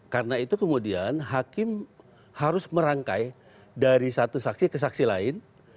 karena itu kemudian hakim harus merangkai dari satu saksi ke saksi lain